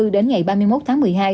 đến ngày ba mươi một tháng một mươi hai